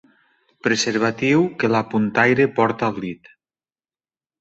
Preservatiu que la puntaire porta al dit.